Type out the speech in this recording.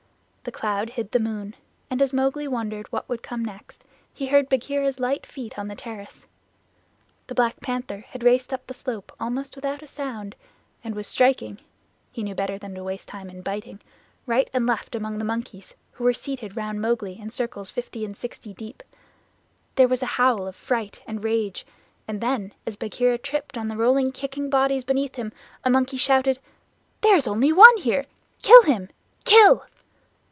The cloud hid the moon, and as Mowgli wondered what would come next he heard Bagheera's light feet on the terrace. The Black Panther had raced up the slope almost without a sound and was striking he knew better than to waste time in biting right and left among the monkeys, who were seated round Mowgli in circles fifty and sixty deep. There was a howl of fright and rage, and then as Bagheera tripped on the rolling kicking bodies beneath him, a monkey shouted: "There is only one here! Kill him! Kill."